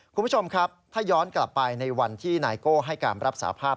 คุณผู้ชมครับถ้าย้อนกลับไปในวันที่นายโก้ให้การรับสาภาพ